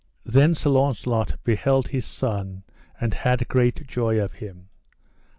Then Sir Launcelot beheld his son and had great joy of him.